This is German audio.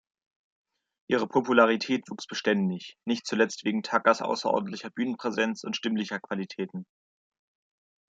Ihre Popularität wuchs beständig, nicht zuletzt wegen Tuckers außerordentlicher Bühnenpräsenz und stimmlicher Qualitäten.